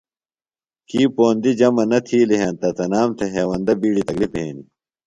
کی پوندیۡ جمع نہ تِھیلیۡ ہینتہ تنام تھےۡ ہیوندہ بِیڈیۡ تکلِف بھینیۡ۔